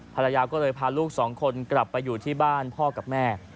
ภรรยาก็เลยพาลูกสองคนกลับไปอยู่ที่บ้านพ่อกับแม่